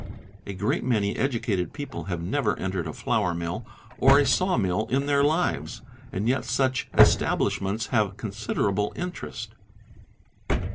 <A great many educated people have never — entered a flour mill or a saw mill in their lives, and yet such establish — ments have considerable interest.